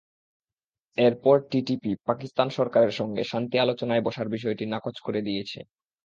এরপর টিটিপি পাকিস্তান সরকারের সঙ্গে শান্তি আলোচনায় বসার বিষয়টি নাকচ করে দিয়েছে।